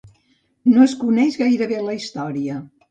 No es coneix gairebé la història.